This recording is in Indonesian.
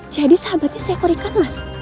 sahabatnya seekor ikan mas